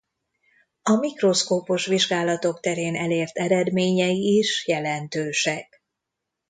A mikroszkópos vizsgálatok terén elért eredményei is jelentősek.